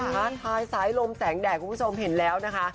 ท้าทายสายลมแสงแดดคุณผู้ชมเห็นแล้วนะคะ